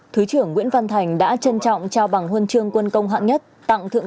thứ trưởng nguyễn văn thành đã trân trọng trao bằng huân chương quân công hạng nhất tặng thượng